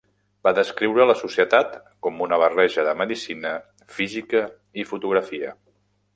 Va descriure la societat com una barreja de medicina, física i fotografia.